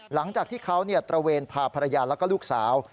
หลังจากที่เขาตระเวนพาภรรยาแล้วก็ลูกสาว